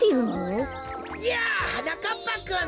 やあはなかっぱくん。